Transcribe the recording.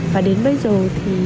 và đến bây giờ thì